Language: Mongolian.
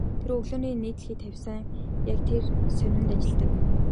Тэр өглөөний нийтлэлийг тавьсан яг тэр сонинд ажилладаг.